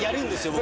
僕。